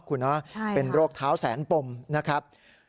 คุณนะเป็นโรคเท้าแสนปมนะครับ